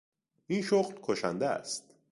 این شغل کشنده است.